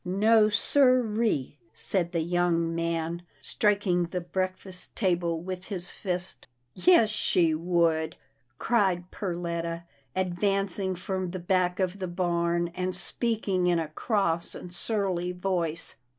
" No siree," said the young man, striking the breakfast table with his fist. " Yes she would," cried Perletta, advancing from the back of the barn, and speaking in a cross and surly voice.